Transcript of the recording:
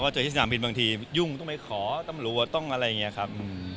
เจอที่สนามบินบางทียุ่งต้องไปขอตำรวจต้องอะไรอย่างนี้ครับ